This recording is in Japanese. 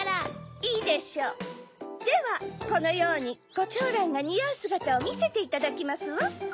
いいでしょうではこのようにコチョウランがにあうすがたをみせていただきますわ。